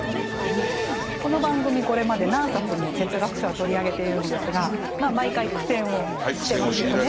この番組これまで何冊も哲学書は取り上げているんですがまあ毎回苦戦をしてますよね。